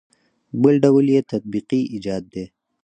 بل ډول یې تطبیقي ایجاد دی.